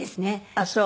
ああそう。